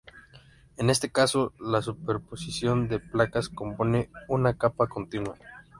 En este caso, la superposición de placas compone una capa continua.